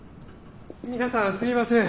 皆さんすみません。